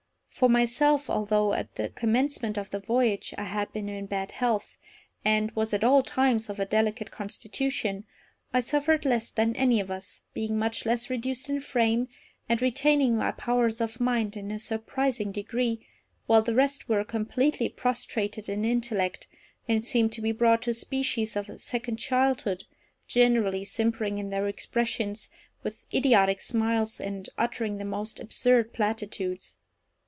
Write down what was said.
For myself, although at the commencement of the voyage I had been in bad health, and was at all times of a delicate constitution, I suffered less than any of us, being much less reduced in frame, and retaining my powers of mind in a surprising degree, while the rest were completely prostrated in intellect, and seemed to be brought to a species of second childhood, generally simpering in their expressions, with idiotic smiles, and uttering the most absurd platitudes.